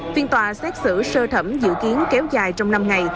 phiên tòa xét xử sơ thẩm dự kiến kéo dài trong năm ngày